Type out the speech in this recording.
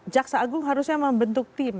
jaksa agung harusnya membentuk tim